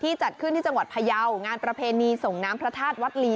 จัดขึ้นที่จังหวัดพยาวงานประเพณีส่งน้ำพระธาตุวัดลี